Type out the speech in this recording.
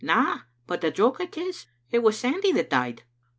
" Na, but the joke o't is, it was Sandy that died."